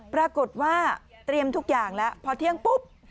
ปรากฏว่าเตรียมทุกอย่างแล้วพอเที่ยงปุ๊บ